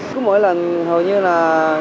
cứ mỗi lần hầu như là